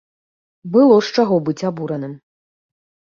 Было з чаго быць абураным.